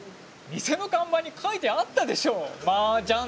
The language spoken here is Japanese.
店の看板に書いてあったでしょ麻雀って。